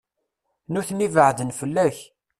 Nutni beɛden fell-ak.